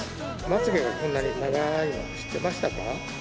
まつ毛がこんなに長いの知ってましたか？